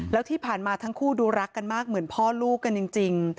แล้วที่ผ่านมาทั้งคู่ดูรักกันมากเหมือนพ่อลูกกันจริง